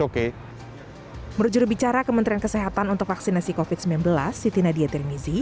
menurut jurubicara kementerian kesehatan untuk vaksinasi covid sembilan belas siti nadia tarmizi